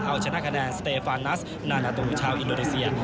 เอาชนะคะแนนสเตฟานัสนานาตูชาวอินโดนีเซีย